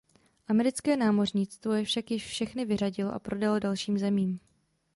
Americké námořnictvo je však již všechny vyřadilo a prodalo dalším zemím.